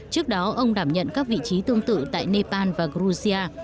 trước đó ông đảm nhận các vị trí tương tự tại nepal và georgia